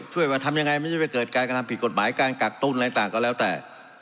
ว่าทำยังไงมันจะไปเกิดการกระทำผิดกฎหมายการกักตุ้นอะไรต่างก็แล้วแต่